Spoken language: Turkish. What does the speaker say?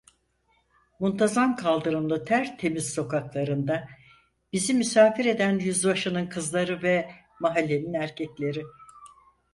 Muntazam kaldırımlı tertemiz sokaklarında, bizi misafir eden yüzbaşının kızları ve mahallenin erkekleri.